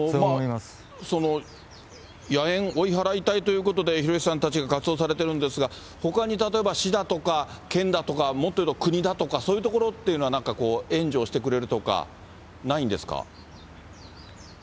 野猿追い払い隊ということで、広石さんたちが活動されているんですが、ほかに例えば、市だとか県だとか、もっと言うと国だとか、そういうところっていうのは、なんかこう、援助をしてくれるとか、ないんですか。